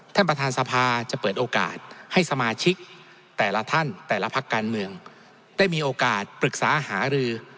ท่านประธานสภาจะเปิดโอกาสให้สมาชิกแต่ละท่านแต่ละพักการเมืองได้มีโอกาสปรึกษาหารือ